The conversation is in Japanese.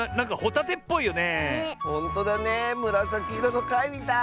むらさきいろのかいみたい！